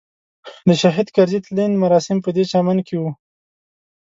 د شهید کرزي تلین مراسم پدې چمن کې وو.